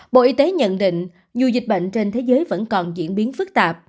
bộ y tế nhận định dù dịch bệnh trên thế giới vẫn còn diễn biến phức tạp